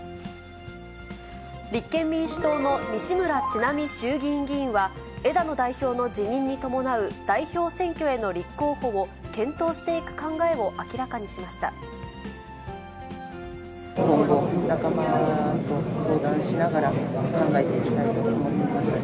立憲民主党の西村智奈美衆議院議員は、枝野代表の辞任に伴う代表選挙への立候補を検討してい今後、仲間と相談しながら、考えていきたいと思っています。